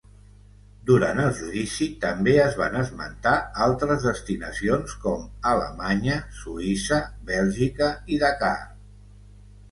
Durant el judici també es van esmentar altres destinacions com Alemanya, Suïssa, Bèlgica i Dakar.